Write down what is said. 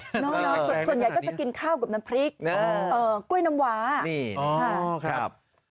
ส่วนใหญ่ก็จะกินข้าวกับน้ำพริกกล้วยน้ำหวานี่อ๋อครับ